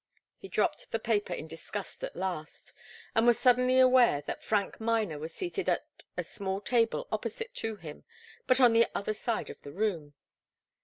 He dropped the paper in disgust at last, and was suddenly aware that Frank Miner was seated at a small table opposite to him, but on the other side of the room.